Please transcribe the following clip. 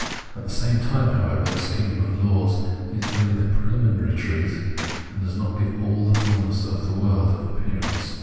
At the same time, however, this kingdom of laws is only the prehminary truth, and does not give all the fullness of the world of appearance.